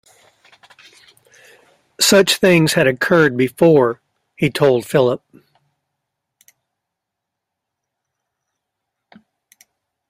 Such things had occurred before, he told Philip.